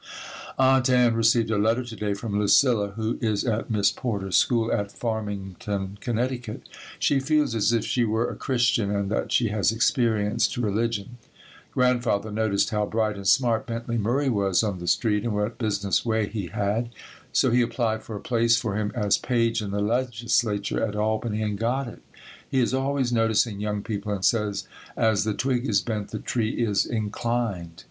Aunt Ann received a letter to day from Lucilla, who is at Miss Porter's school at Farmington, Connecticut. She feels as if she were a Christian and that she has experienced religion. Grandfather noticed how bright and smart Bentley Murray was, on the street, and what a business way he had, so he applied for a place for him as page in the Legislature at Albany and got it. He is always noticing young people and says, "As the twig is bent, the tree is inclined."